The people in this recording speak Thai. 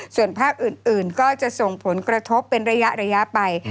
ส่วนภาคอื่นก็จะส่งผลกระทบเป็นระยะไป